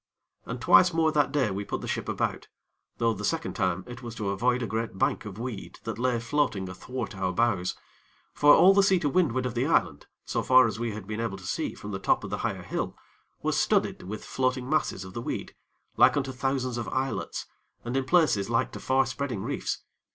And twice more that day we put the ship about, though the second time it was to avoid a great bank of weed that lay floating athwart our bows; for all the sea to windward of the island, so far as we had been able to see from the top of the higher hill, was studded with floating masses of the weed, like unto thousands of islets, and in places like to far spreading reefs.